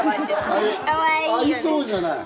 合いそうじゃない。